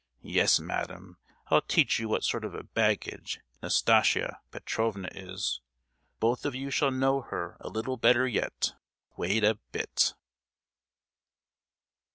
Yes, madam; I'll teach you what sort of a baggage Nastasia Petrovna is; both of you shall know her a little better yet! Wait a bit!"